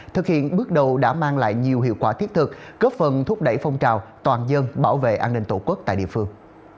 thực hiện bước đầu đã mang lại nhiều hiệu quả thiết thực góp phần thúc đẩy phong trào toàn dân bảo vệ an ninh tổ quốc tại địa phương